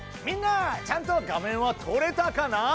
みんなちゃんと画面は撮れたかな？